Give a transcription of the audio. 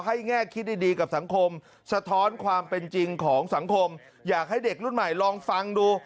แง่คิดดีดีกับสังคมสะท้อนความเป็นจริงของสังคมอยากให้เด็กรุ่นใหม่ลองฟังดู